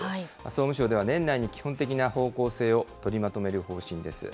総務省では年内に基本的な方向性を取りまとめる方針です。